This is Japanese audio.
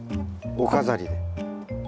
お飾りで。